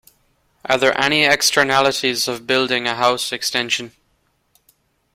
Are there any externalities of building a house extension?